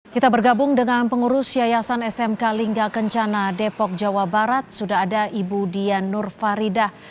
kita bergabung dengan pengurus yayasan smk lingga kencana depok jawa barat sudah ada ibu dian nur faridah